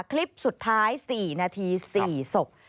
คลิปสุดท้าย๔นาที๔ศพ